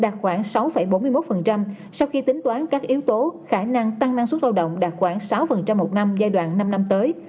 đạt khoảng sáu bốn mươi một sau khi tính toán các yếu tố khả năng tăng năng suất lao động đạt khoảng sáu một năm giai đoạn năm năm tới